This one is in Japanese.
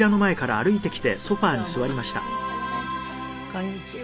こんにちは。